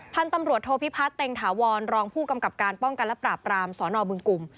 พันธุ์ตำรวจโทพิพัฒน์เต็งถาวรรองผู้กำกับการป้องกันและปราบรามสนบึงกลุ่ม